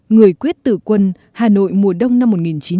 người quyết tử quân hà nội mùa đông năm một nghìn